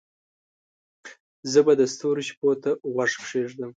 زه به د ستورو شپو ته غوږ کښېږدمه